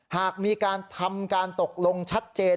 หากมีการทำการตกลงชัดเจน